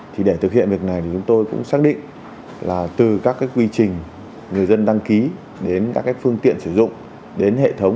thì để thực hiện việc này thì chúng tôi cũng xác định là từ các quy trình người dân đăng ký đến các phương tiện sử dụng đến hệ thống